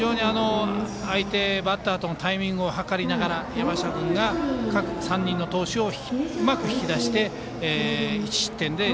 相手バッターとのタイミングを図りながら山下君が３人の投手をうまく引き出して、１失点で。